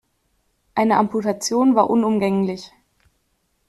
Eine Amputation war unumgänglich.